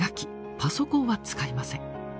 パソコンは使いません。